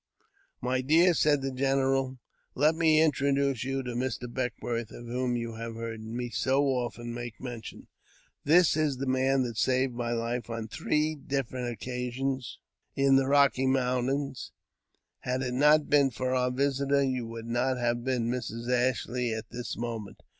" My dear," said the general, " let me introduce you to Mr. Beckwourth, of whom you have heard me so often make mention. This is the man that saved my life on three different occasions in the Rocky Mountains ; had it not been for our visitor, you would not have been Mrs. Ashley at this moment.